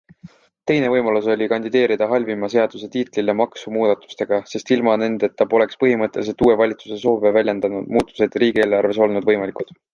Teine võimalus oli kandideerida halvima seaduse tiitlile maksumuudatustega, sest ilma nendeta poleks põhimõttelised uue valitsuse soove väljendavad muutused riigieelarves olnud võimalikud.